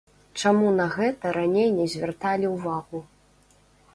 Чаму на гэта раней не звярталі ўвагу?